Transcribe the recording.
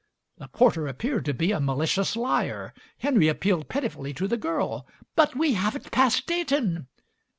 The porter appeared to be a malicious liar. Henry appealed pitifully to the girl. "But we haven't passed Dayton?"